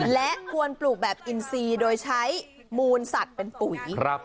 และควรปลูกแบบอินซีโดยใช้มูลสัตว์เป็นปุ๋ย